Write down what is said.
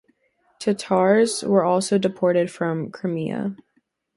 Tatars were also deported from Crimea.